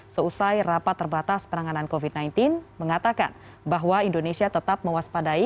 seusai rapat terbatas penanganan covid sembilan belas mengatakan bahwa indonesia tetap mewaspadai